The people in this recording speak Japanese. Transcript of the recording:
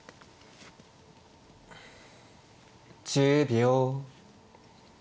１０秒。